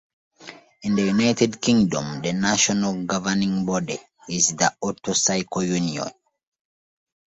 In the United Kingdom, the national governing body is the Auto-Cycle Union.